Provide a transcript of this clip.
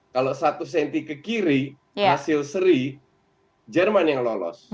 kalau satu cm ke kiri hasil seri jerman yang lolos